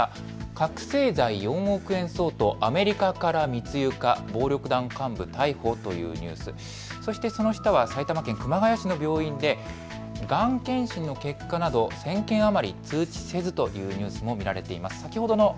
覚醒剤４億円相当、アメリカから密輸か、暴力団幹部逮捕というニュース、そして埼玉県熊谷市の病院で、がん検診の結果など１０００件余り通知せずというニュースも見られています。